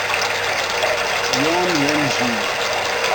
Yoon Won-jin